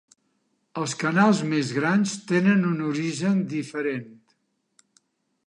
Els canals més grans tenen un origen diferent.